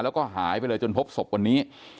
แล้วก็หายไปเลยจนพบศพวันนี้